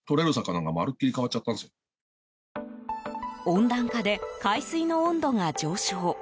温暖化で海水の温度が上昇。